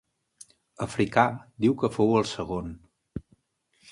Africà diu que fou el segon.